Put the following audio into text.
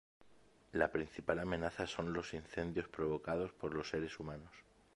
La principal amenaza son los incendios provocados por los seres humanos.